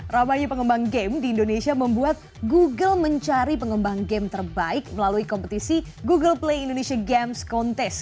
ramainya pengembang game di indonesia membuat google mencari pengembang game terbaik melalui kompetisi google play indonesia games contest